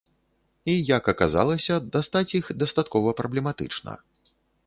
І, як аказалася, дастаць іх дастаткова праблематычна.